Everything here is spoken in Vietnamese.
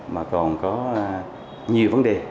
mà nhiều vấn đề